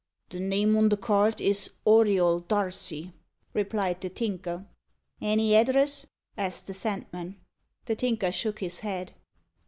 "The name on the card is AURIOL DARCY," replied the Tinker. "Any address?" asked the Sandman. The Tinker shook his head.